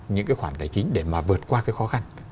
những cái khoản tài chính để mà vượt qua cái khó khăn